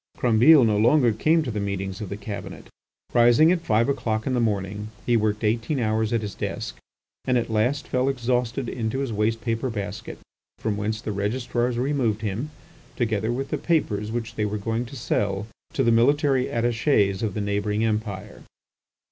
Crombile no longer came to the meetings of the Cabinet. Rising at five o'clock in the morning, he worked eighteen hours at his desk, and at last fell exhausted into his waste paper basket, from whence the registrars removed him, together with the papers which they were going to sell to the military attachés of the neighbouring Empire.